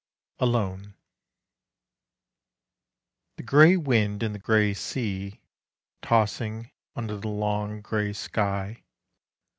ALONE The grey wind and the grey sea Tossing under the long grey sky....